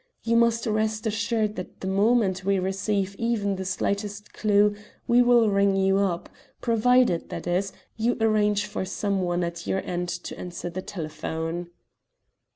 You must rest assured that the moment we receive even the slightest clue we will ring you up, provided, that is, you arrange for someone at your end to answer the telephone."